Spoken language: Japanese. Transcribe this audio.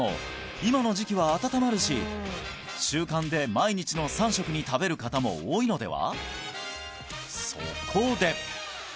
今の時期は温まるし習慣で毎日の３食に食べる方も多いのでは？